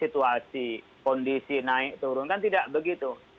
situasi kondisi naik turun kan tidak begitu